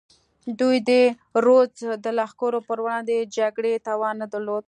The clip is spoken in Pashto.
دوی د رودز د لښکرو پر وړاندې جګړې توان نه درلود.